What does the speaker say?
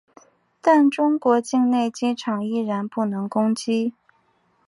但中国境内机场依然不能攻击。